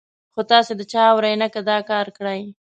خو تاسې د چا اورئ نه، که دا کار کړئ.